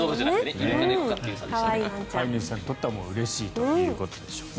飼い主さんにとってはうれしいということでしょうね。